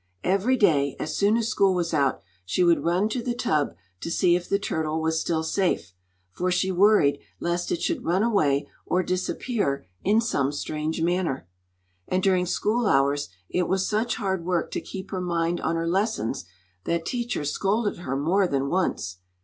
Every day, as soon as school was out, she would run to the tub to see if the turtle was still safe for she worried lest it should run away or disappear in some strange manner. And during school hours it was such hard work to keep her mind on her lessons that teacher scolded her more than once.